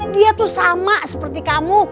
dia tuh sama seperti kamu